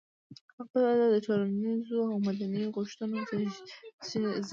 هغه به د ټولنيزو او مدني غوښتنو زېږنده وي.